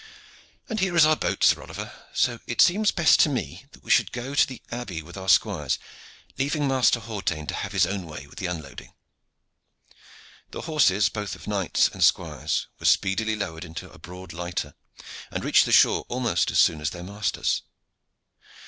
And here is our boat, Sir Oliver, so it seems best to me that we should go to the abbey with our squires, leaving Master Hawtayne to have his own way in the unloading." The horses both of knights and squires were speedily lowered into a broad lighter, and reached the shore almost as soon as their masters.